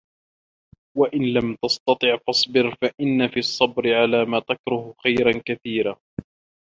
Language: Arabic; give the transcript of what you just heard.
وَإِنْ لَمْ تَسْتَطِعْ فَاصْبِرْ فَإِنَّ فِي الصَّبْرِ عَلَى مَا تَكْرَهُ خَيْرًا كَثِيرًا